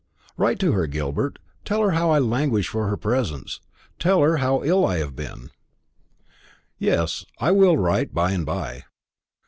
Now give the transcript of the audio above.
Write to her, Gilbert; tell her how I languish for her presence; tell her how ill I have been." "Yes; I will write by and by."